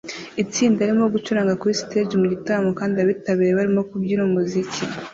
Itsinda ririmo gucuranga kuri stage mugitaramo kandi abitabiriye barimo kubyina umuziki